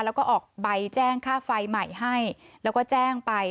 แล้วก็ออกใบแจ้งค่าไฟใหม่ให้แล้วก็แจ้งไป